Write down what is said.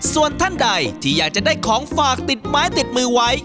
ส่วนท่านใดที่อยากจะได้ของฝากติดไม้ติดมือไว้